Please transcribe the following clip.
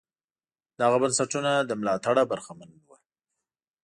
دغه بنسټونه له ملاتړه برخمن وو.